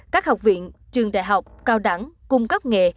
các học viện trường đại học cao đẳng cung cấp nghề